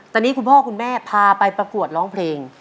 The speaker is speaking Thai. ตอนนี้คุณพ่อคุณแม่พาไปประกวดร้องเพลง